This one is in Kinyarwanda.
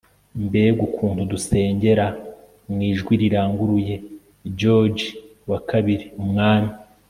mbega ukuntu dusengera mu ijwi riranguruye george ii, umwami